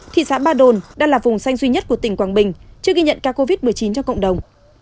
thị xã ba đồn đang là vùng xanh duy nhất của tỉnh quảng bình chưa ghi nhận ca covid một mươi chín cho cộng đồng